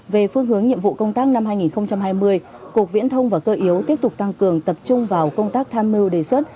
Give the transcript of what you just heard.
về phương hướng nhiệm vụ công tác năm hai nghìn hai mươi cục viễn thông và cơ yếu tiếp tục tăng cường tập trung vào công tác tham mưu đề xuất